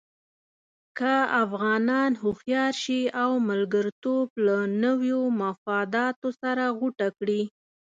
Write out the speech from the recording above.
که افغانان هوښیار شي او ملګرتوب له نویو مفاداتو سره غوټه کړي.